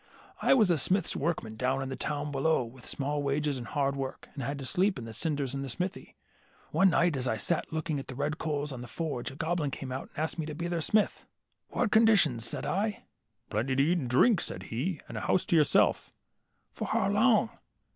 I was a smith's workman down in the town below, with small wages and hard work, and had to sleep in the cinders in the smithy. One night, as I sat looking at the red coals on the forge, a goblin came out and asked me to be their smith. ^ What conditions ?' said I. ^ Plenty to eat and drink,' said h^, ^ and a house to yourself' ^ For how long